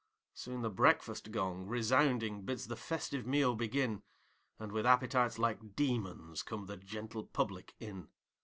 Soon the breakfast gong resounding bids the festive meal begin, And, with appetites like demons, come the gentle public in.